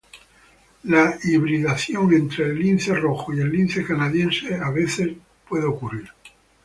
La hibridación entre el lince rojo y el lince canadiense a veces puede ocurrir.